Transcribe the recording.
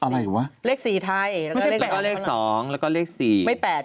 ตัวสองสี่